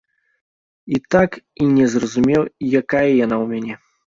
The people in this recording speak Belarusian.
І так і не зразумеў, якая яна ў мяне.